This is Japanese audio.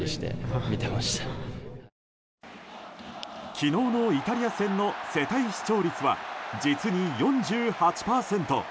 昨日のイタリア戦の世帯視聴率は、実に４８％。